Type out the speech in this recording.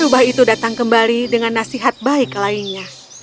rubah itu datang kembali dengan nasihat baik lainnya